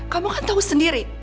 kamu kan tau sendiri